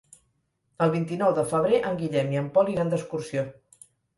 El vint-i-nou de febrer en Guillem i en Pol iran d'excursió.